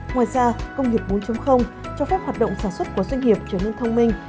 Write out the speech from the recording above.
ngoài ra công nghiệp bốn cho phép hoạt động sản xuất của doanh nghiệp trở nên thông minh